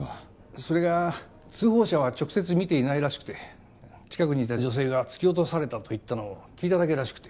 ・それが通報者は直接見ていないらしくて近くにいた女性が突き落とされたと言ったのを聞いただけらしくて。